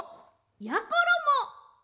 やころも。